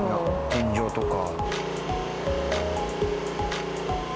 天井とか。